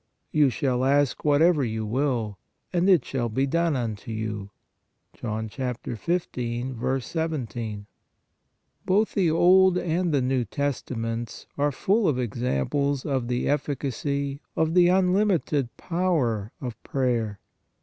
"You shall ask whatever you will, and it shall be done unto you " (John 15. 17). 28 POWER OF PRAYER 29 Both the Old and the New Testaments are full of examples of the efficacy, of the unlimited power of prayer.